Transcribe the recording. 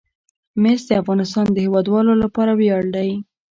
مس د افغانستان د هیوادوالو لپاره ویاړ دی.